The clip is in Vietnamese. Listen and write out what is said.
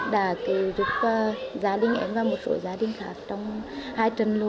đã cứu giúp gia đình em và một số gia đình khác trong hai tuần lũ